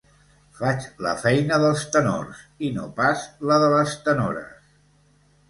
Faig la feina dels tenors i no pas la de les tenores.